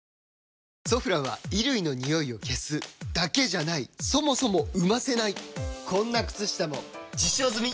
「ソフラン」は衣類のニオイを消すだけじゃないそもそも生ませないこんな靴下も実証済！